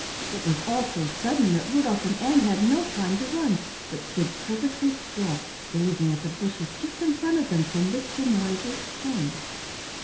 It was all so sudden that Rudolf and Ann had no time to run, but stood perfectly still, gazing at the bushes just in front of them from which the noises came.